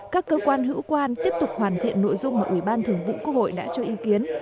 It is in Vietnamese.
các cơ quan hữu quan tiếp tục hoàn thiện nội dung mà ủy ban thường vụ quốc hội đã cho ý kiến